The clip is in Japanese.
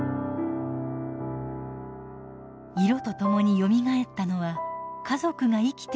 色とともによみがえったのは家族が生きていたという実感。